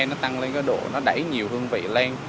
nó tăng lên cái độ nó đẩy nhiều hương vị lên